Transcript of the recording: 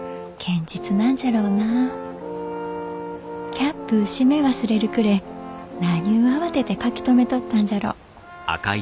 キャップう閉め忘れるくれえ何ゅう慌てて書き留めとったんじゃろう。